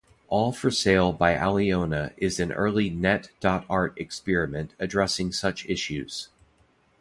"All for Sale" by Aliona is an early net.art experiment addressing such issues.